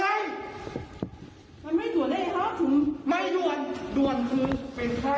เอาลูกว่าไม่เต็มคุณรู้ว่าให้ตายถึงมาได้หรือเปล่า